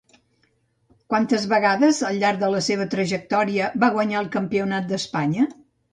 Quantes vegades al llarg de la seva trajectòria va guanyar el Campionat d'Espanya?